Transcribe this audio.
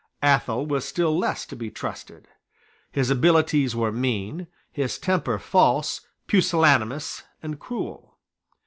Athol was still less to be trusted. His abilities were mean, his temper false, pusillanimous, and cruel.